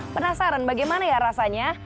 penasaran bagaimana ya rasanya